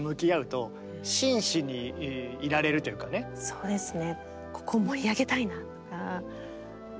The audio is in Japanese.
そうですね。